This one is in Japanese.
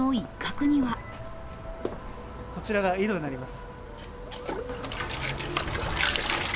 こちらが井戸になります。